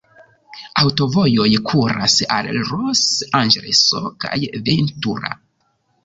Aŭtovojoj kuras al Los-Anĝeleso kaj Ventura.